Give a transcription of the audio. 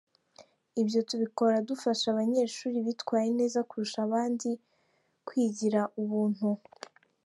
Ibyo tubikora dufasha abanyeshuri bitwaye neza kurusha abandi kwigira ubuntu.